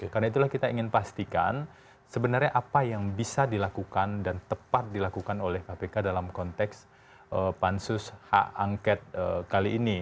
karena itulah kita ingin pastikan sebenarnya apa yang bisa dilakukan dan tepat dilakukan oleh kpk dalam konteks pansus hak angket kali ini